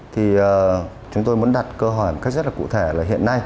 thì chúng tôi muốn đặt cơ hội một cách rất là cụ thể là hiện nay